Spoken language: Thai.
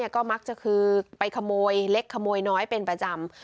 ก็มักจะคือไปขโมยเล็กขโมยน้อยเป็นประจำ